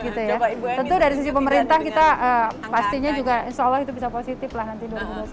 tentu dari sisi pemerintah kita pastinya juga insya allah itu bisa positif lah nanti dua ribu dua puluh satu